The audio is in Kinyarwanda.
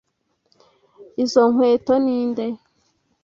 Izo nkweto ninde?